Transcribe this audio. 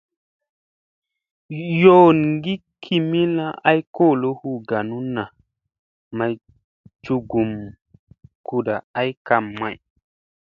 Yoongi kimilla ay kolo hu ganunna may cugum kuda ay kam may.